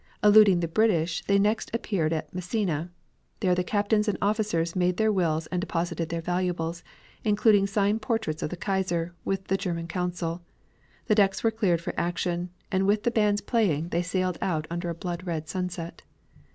Eluding the British they next appeared at Messina. There the captains and officers made their wills and deposited their valuables, including signed portraits of the Kaiser, with the German consul. The decks were cleared for action, and with the bands playing they sailed out under a blood red sunset.